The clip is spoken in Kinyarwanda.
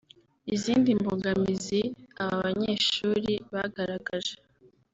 Izindi mbogamizi aba banyeshuri bagaragaje